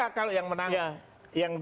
terakhir anies dan agus harus menang